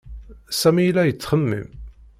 Sami yella yettxemmim.